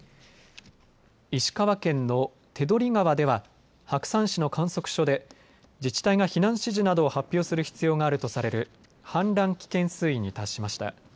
石川県の手取川では白山市の観測所で自治体が避難指示などを発表する必要があるとされる氾濫危険水位に達しました。